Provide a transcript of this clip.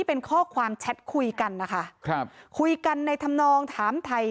อยากจะได้รู้มาอยู่ในชีวิตพี่